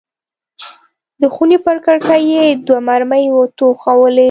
د خونې پر کړکۍ یې دوه مرمۍ وتوغولې.